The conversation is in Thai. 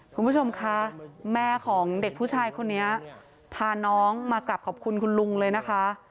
คุณผู้ชมคะแม่ของเด็กผู้ชายคนนี้พาน้องมากลับขอบคุณคุณลุงเลยนะคะ